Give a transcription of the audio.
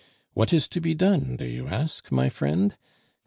"What is to be done, do you ask, my friend?